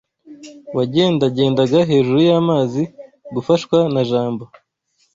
wagendagendaga hejuru y’amazi gufashwa na Jambo